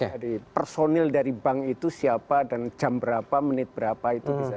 jadi personil dari bank itu siapa dan jam berapa menit berapa itu bisa